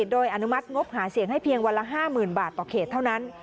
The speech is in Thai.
โดยอนุมัติงบหาเสียงให้เพียงวันละ๕๐๐๐บาทต่อเขตเท่านั้น